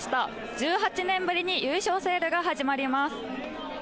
１８年ぶりに優勝セールが始まります。